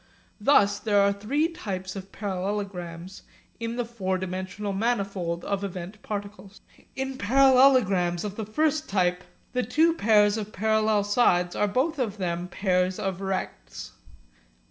Thus there are three types of parallelograms in the four dimensional manifold of event particles. In parallelograms of the first type the two pairs of parallel sides are both of them pairs of rects.